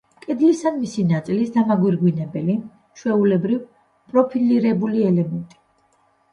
კედლის ან მისი ნაწილის დამაგვირგვინებელი, ჩვეულებრივ, პროფილირებული ელემენტი.